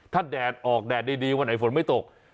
ถ้าแดดออกแดดดีวันไหนฝนไม่ตก